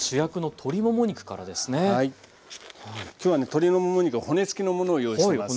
鶏のもも肉の骨付きのものを用意しています。